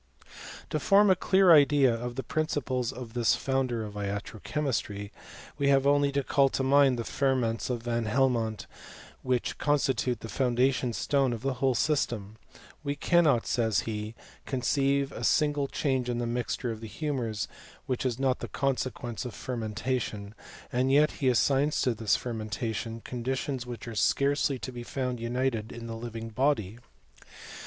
To form a clear idea of the principles of this founder of iatro chemistry, we have only to call to mind the ferments of Van Helmont, which constitute the foun dation stone of the whole system. We cannot, says he, conceive a single change in the mixture of the humours, which is not the consequence of fermenta tion ; and yet he assigns to this fermentation con ditions which are scarcely to be found united in the living body.